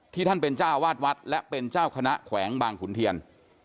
ท่านเป็นเจ้าวาดวัดและเป็นเจ้าคณะแขวงบางขุนเทียน